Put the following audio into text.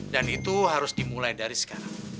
dan itu harus dimulai dari sekarang